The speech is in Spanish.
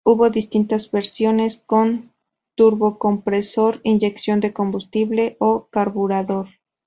Hubo distintas versiones con turbocompresor, inyección de combustible o carburador.